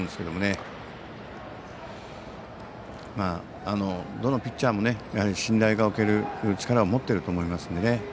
どのピッチャーも信頼が置ける力を持ってると思いますのでね。